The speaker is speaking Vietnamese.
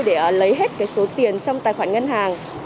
để lấy hết số tiền trong tài khoản ngân hàng